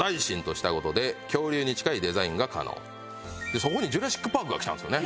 そこに『ジュラシック・パーク』がきたんですよね。